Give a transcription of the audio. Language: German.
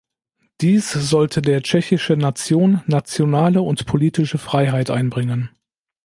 Dies sollte der tschechischen Nation nationale und politische Freiheit einbringen.